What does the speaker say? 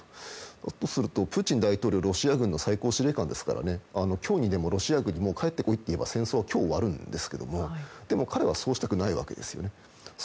だとすると、プーチン大統領はロシア軍の最高司令官ですから今日にでもロシア軍に帰って来いと言えば戦争は今日終わるんですけどもでも彼はそうしたくないわけです。